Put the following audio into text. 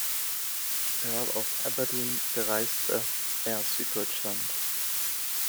Earl of Aberdeen bereiste er Süddeutschland.